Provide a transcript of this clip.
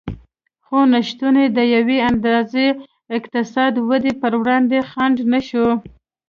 خو نشتون یې د یوې اندازې اقتصادي ودې پر وړاندې خنډ نه شو